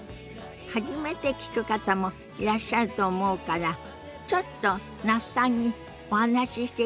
初めて聞く方もいらっしゃると思うからちょっと那須さんにお話ししていただきましょ。